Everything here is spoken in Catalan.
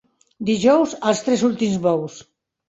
Dijous, els tres últims bous.